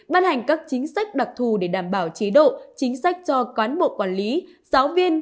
ban hành các chính sách đặc thù để đảm bảo chế độ chính sách cho cán bộ quản lý giáo viên